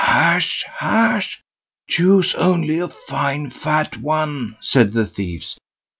"Hush hush! choose only a fine fat one", said the thieves.